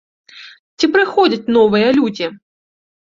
Ці прыходзяць новыя людзі?